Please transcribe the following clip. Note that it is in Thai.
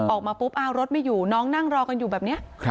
ออกมาปุ๊บอ้าวรถไม่อยู่น้องนั่งรอกันอยู่แบบนี้